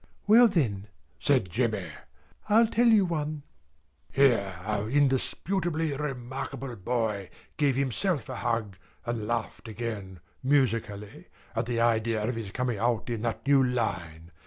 "Well, then," said Jemmy, "I'll tell you one." Here our indisputably remarkable boy gave himself a hug, and laughed again, musically, at the idea of his coming out in that new line.